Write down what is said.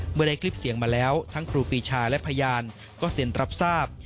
เมื่อได้คลิปเสียงมาแล้วทั้งครูปีชาและพยานก็เซ็นรับทราบ